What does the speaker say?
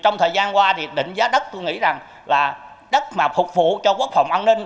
trong thời gian qua thì định giá đất tôi nghĩ rằng là đất mà phục vụ cho quốc phòng an ninh